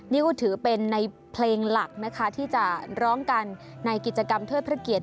นี่ก็ถือเป็นในเพลงหลักนะคะที่จะร้องกันในกิจกรรมเทิดพระเกียรติ